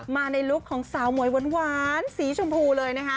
มาในลุคของสาวมวยหวานสีชมพูเลยนะคะ